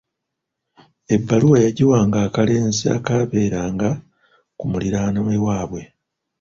Ebbaluwa yagiwa akalenzi akaabeeranga ku muliraano ewaabwe.